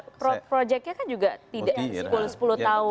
akan projectnya kan juga tidak sepuluh tahun